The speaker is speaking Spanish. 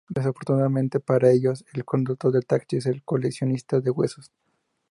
Desafortunadamente para ellos, el conductor del taxi es el Coleccionista de Huesos.